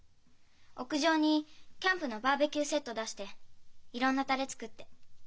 屋上にキャンプのバーベキューセット出していろんなタレ作って。